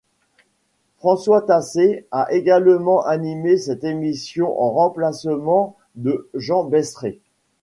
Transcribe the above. François Tassé a également animé cette émission en remplacement de Jean Besré.